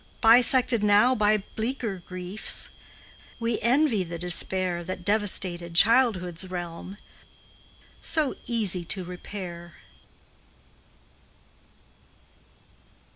Bisected now by bleaker griefs, We envy the despair That devastated childhood's realm, So easy to repair.